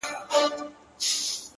• هر شوقي یې د رنګونو خریدار وي ,